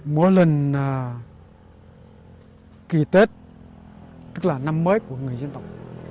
mỗi lần kỳ tết tức là năm mới của người dân tộc